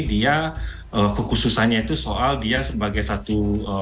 dia kekhususannya itu soal dia sebagai satu